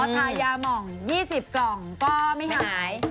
อ๋อถ่ายยาหมอง๒๐กล่องก็ไม่หาย